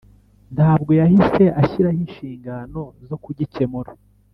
ntabwo yahise ashyiraho inshingano zo kugikemura.